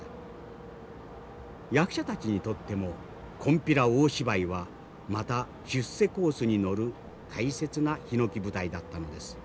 役者たちにとっても金毘羅大芝居はまた出世コースに乗る大切なひのき舞台だったのです。